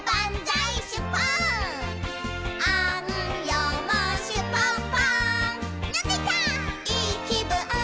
「いいきぶん！」